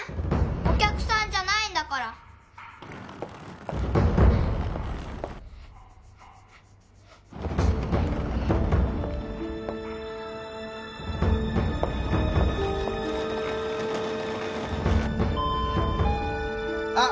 お客さんじゃないんだからあっ